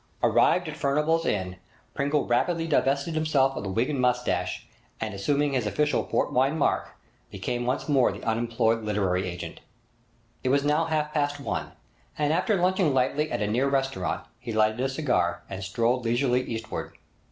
Arrived at Furnival's Inn, Pringle rapidly divested himself of the wig and moustache, and, assuming his official port wine mark, became once more the unemployed literary agent. It was now half past one, and, after lunching lightly at a near restaurant, he lighted a cigar and strolled leisurely eastward.